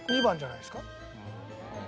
２番じゃないですか？